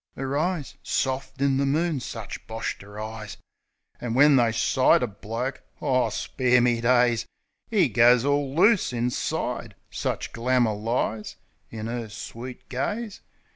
'Er eyes ! Soft in the moon ; such boshter eyes ! Ah' when they sight a bloke ... O, spare me days ! 'E goes all loose inside; such glamor lies In 'er sweet gaze.